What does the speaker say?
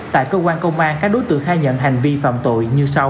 tại cơ quan công an các đối tượng khai nhận hành vi phạm tội như sau